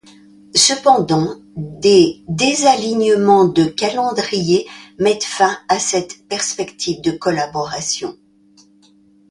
Cependant, des désalignements de calendriers mettent fin à cette perspective de collaboration.